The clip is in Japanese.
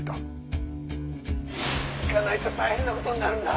「行かないと大変な事になるんだ。